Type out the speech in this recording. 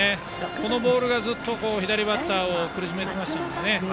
このボールがずっと左バッターを苦しめていましたからね。